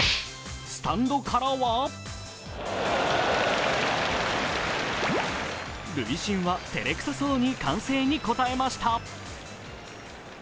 スタンドからは塁審は照れくさそうに歓声に応えました。